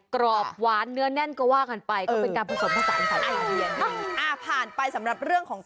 ครับ